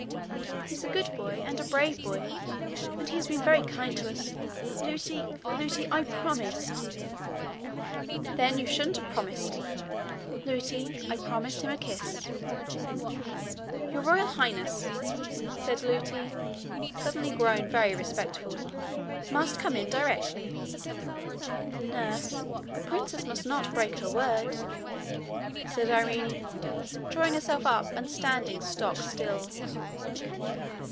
'He's a good boy, and a brave boy, and he has been very kind to us. Lootie! Lootie! I promised.' 'Then you shouldn't have promised.' 'Lootie, I promised him a kiss.' 'Your Royal Highness,' said Lootie, suddenly grown very respectful, 'must come in directly.' 'Nurse, a princess must not break her word,' said Irene, drawing herself up and standing stock still.